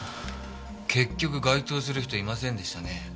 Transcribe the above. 結局該当する人いませんでしたね。